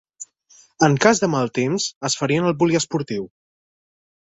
En cas de mal temps, es farien al poliesportiu.